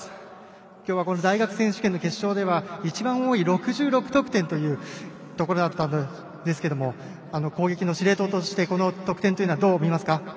今日は大学選手権の決勝で一番多い６６得点というところだったんですが攻撃の司令塔としてこの得点、どう見ますか？